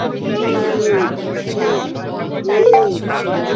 Media এখন শুধু viral বিষয়আষয় নিয়ে ব্যস্ত।